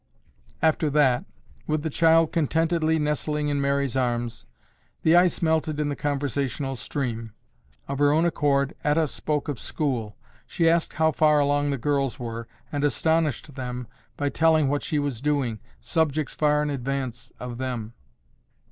After that, with the child contentedly nestling in Mary's arms, the ice melted in the conversational stream. Of her own accord Etta spoke of school. She asked how far along the girls were and astonished them by telling what she was doing, subjects far in advance of them.